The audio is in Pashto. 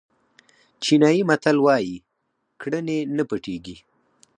چینایي متل وایي کړنې نه پټېږي.